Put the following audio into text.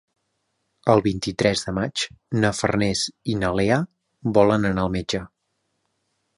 El vint-i-tres de maig na Farners i na Lea volen anar al metge.